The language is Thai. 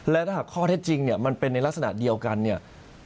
และถ้าหากข้อเท็จจริงเนี่ยมันเป็นในลักษณะเดียวกันเนี่ย